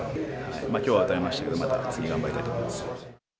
きょうは打たれましたけど、また次、頑張りたいと思います。